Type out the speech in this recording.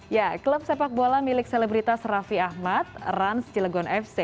ya klub sepak bola milik selebritas raffi ahmad rans cilegon fc